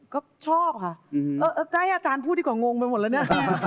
ก็ชอบค่ะก็ให้อาจารย์พูดดีกว่างงไปหมดแล้วเนี่ย